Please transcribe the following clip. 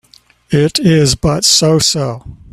It is but so-so